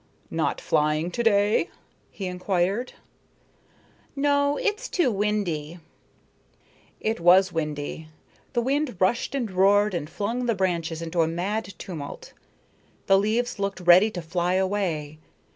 "Not flying to day?" he inquired. "No, it's too windy." It was windy. The wind rushed and roared and flung the branches into a mad tumult. The leaves looked ready to fly away.